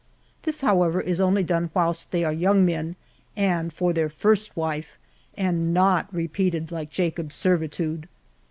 This however is only done whilst they are young men and for their first wife, and not repeated like Jacob's servitude.